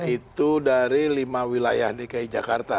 itu dari lima wilayah dki jakarta